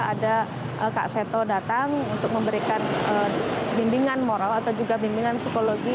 kemarin juga saya sempat memantau di gorswe capura ada kak seto datang untuk memberikan bimbingan moral atau juga bimbingan psikologi